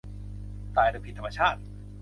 ตายโดยผิดธรรมชาติ